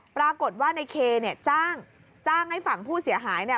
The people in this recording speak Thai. ปรากฏว่าในเคเนี่ยจ้างให้ฝั่งผู้เสียหายเนี่ย